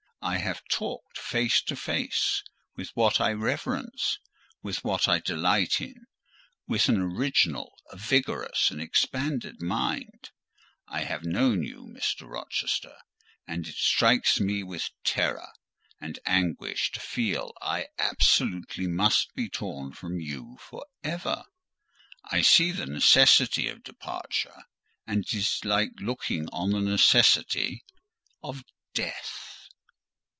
I have talked, face to face, with what I reverence, with what I delight in,—with an original, a vigorous, an expanded mind. I have known you, Mr. Rochester; and it strikes me with terror and anguish to feel I absolutely must be torn from you for ever. I see the necessity of departure; and it is like looking on the necessity of death."